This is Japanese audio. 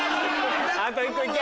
あと１個いけ！